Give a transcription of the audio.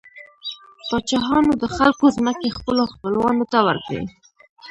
پاچاهانو د خلکو ځمکې خپلو خپلوانو ته ورکړې.